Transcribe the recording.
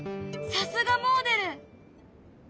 さすがもおでる！